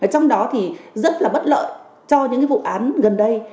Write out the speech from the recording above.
trong đó thì rất là bất lợi cho những vụ án gần đây